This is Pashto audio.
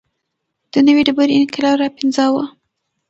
د نوې ډبرې انقلاب راوپنځاوه.